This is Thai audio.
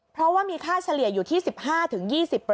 เพราะว่ามีค่าเฉลี่ยอยู่ที่๑๕๒๐